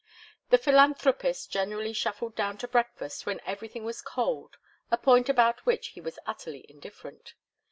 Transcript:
The philanthropist generally shuffled down to breakfast when everything was cold, a point about which he was utterly indifferent.